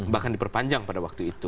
bahkan diperpanjang pada waktu itu